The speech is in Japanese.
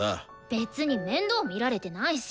別に面倒見られてないし！